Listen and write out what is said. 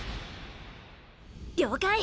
了解！